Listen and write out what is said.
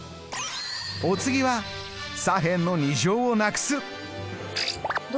お次は左辺の２乗をなくす。